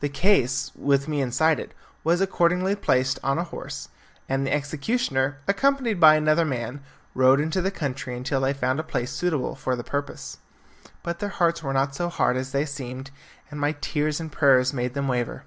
The case, with me inside it, was accordingly placed on a horse, and the executioner, accompanied by another man, rode into the country until they found a spot suitable for the purpose. But their hearts were not so hard as they seemed, and my tears and prayers made them waver.